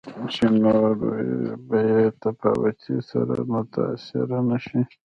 چې د نورو په بې تفاوتۍ سره متأثره نه شي.